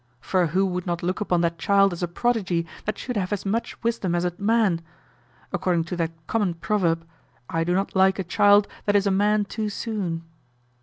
For who would not look upon that child as a prodigy that should have as much wisdom as a man? according to that common proverb, "I do not like a child that is a man too soon."